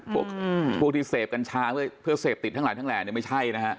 พวกที่เสพกัญชาเพื่อเสพติดทั้งหลายนึงไม่ใช่นะฮะ